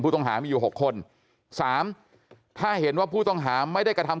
ต้องหามีอยู่หกคนสามถ้าเห็นว่าผู้ต้องหาไม่ได้กระทำ